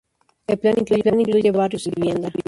El plan incluye barrios y torres de vivienda.